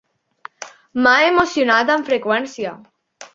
M'ha emocionat amb freqüència